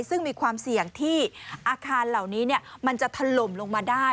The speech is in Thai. ซึ่งมีความเสี่ยงที่อาคารเหล่านี้มันจะถล่มลงมาได้